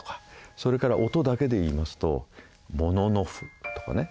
それから音だけで言いますと「もののふ」とかね。